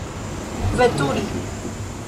veturi